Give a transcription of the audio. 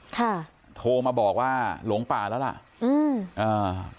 ค่ะโทรมาบอกว่าหลงป่าแล้วล่ะอืมอ่า